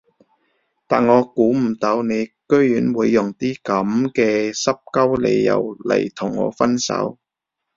但我估唔到你居然會用啲噉嘅濕鳩理由嚟同我分手